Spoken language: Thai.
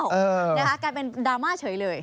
กลายเป็นดราม่าเฉยเลย